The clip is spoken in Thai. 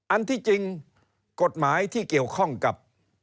อันที่จริงกฎหมายที่เกี่ยวข้องกับ